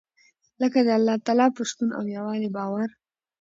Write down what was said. لکه د الله تعالٰی پر شتون او يووالي باور .